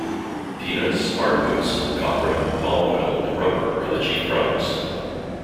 Peanuts, hardwoods, copra, palm oil, and rubber are the chief products.